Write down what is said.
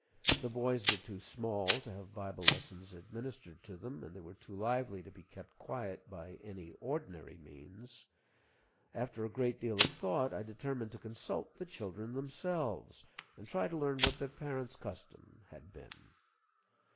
The boys were too small to have Bible lessons administered to them, and they were too lively to be kept quiet by any ordinary means. After a great deal of thought, I determined to consult the children themselves, and try to learn what their parents' custom had been.